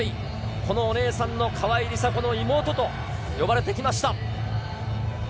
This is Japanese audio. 常に強いこのお姉さんの川井梨紗子の妹と呼ばれてきました。